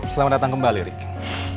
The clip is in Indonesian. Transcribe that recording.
selamat datang kembali ricky